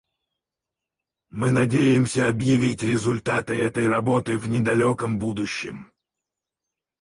Мы надеемся объявить результаты этой работы в недалеком будущем.